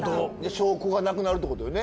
証拠がなくなるってことよね。